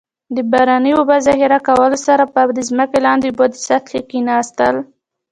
د باراني اوبو ذخیره کولو سره به د ځمکې لاندې اوبو د سطحې کیناستل.